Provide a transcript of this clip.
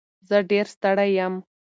زه ډېر ستړی یم.